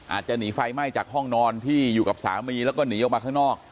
อาจจะหนีไฟไหม้จากห้องนอนที่อยู่กับสามีแล้วก็หนีออกมาข้างนอก